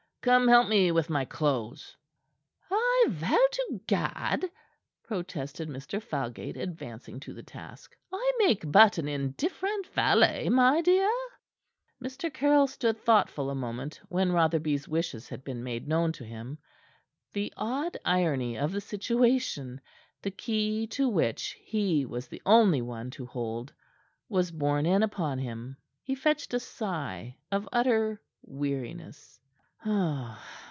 "Come help me with my clothes." "I vow to Gad," protested Mr. Falgate, advancing to the task. "I make but an indifferent valet, my dear." Mr. Caryll stood thoughtful a moment when Rotherby's wishes had been made known to him. The odd irony of the situation the key to which he was the only one to hold was borne in upon him. He fetched a sigh of utter weariness.